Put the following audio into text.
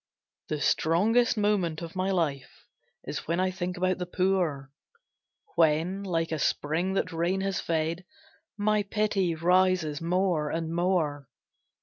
The strongest moment of my life Is when I think about the poor; When, like a spring that rain has fed, My pity rises more and more.